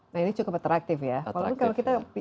nah ini cukup atraktif ya kalau kita